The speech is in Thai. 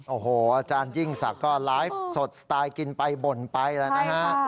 โอ้โหอาจารยิ่งศักดิ์ก็ไลฟ์สดสไตล์กินไปบ่นไปแล้วนะฮะ